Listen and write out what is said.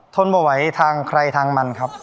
ทนไม่ไหวทางใครทางมันครับ